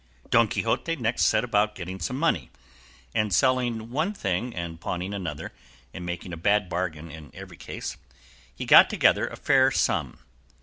Don Quixote next set about getting some money; and selling one thing and pawning another, and making a bad bargain in every case, he got together a fair sum.